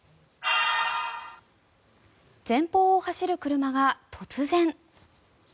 前方を走る車が突然。